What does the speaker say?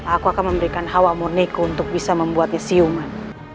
aku akan memberikan hawa moniku untuk bisa membuatnya siungan